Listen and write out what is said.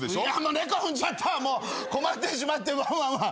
猫踏んじゃった困ってしまってワンワンワン。